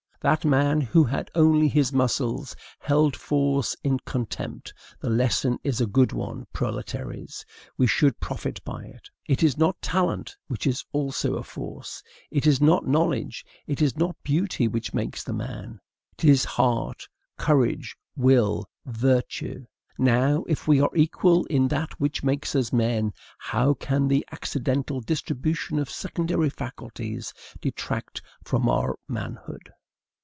That man, who had only his muscles, held force in contempt. The lesson is a good one, proletaires; we should profit by it. It is not talent (which is also a force), it is not knowledge, it is not beauty which makes the man. It is heart, courage, will, virtue. Now, if we are equal in that which makes us men, how can the accidental distribution of secondary faculties detract from our manhood?